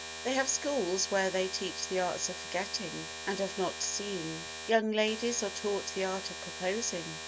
They have schools where they teach the arts of forgetting and of not seeing. Young ladies are taught the art of proposing.